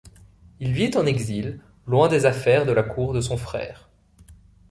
Il vit en exil, loin des affaires de la cour de son frère.